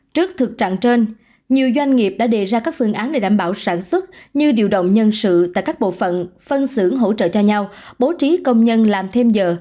trước thực trạng trên nhiều doanh nghiệp đã đề ra các phương án để đảm bảo sản xuất như điều động nhân sự tại các bộ phận phân xưởng hỗ trợ cho nhau bố trí công nhân làm thêm giờ